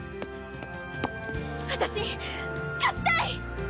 私勝ちたい！